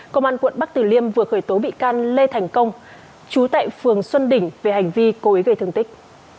công an quận bắc tử liêm vừa khởi tố bị can lê thành công chú tại phường xuân đỉnh về hành vi cố ý gây thương tích